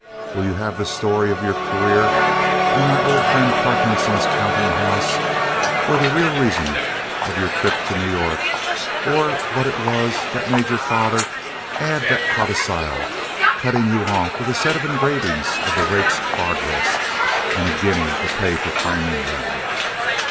Will you have the story of your career in my old friend Parkinson's counting house, or the real reason of your trip to New York, or what it was that made your father add that codicil, cutting you off with a set of engravings of the 'Rake's Progress,' and a guinea to pay for framing them?